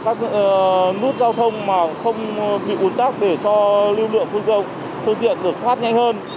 các nút giao thông mà không bị ồn tắc để cho lưu lượng phương tiện được phát nhanh hơn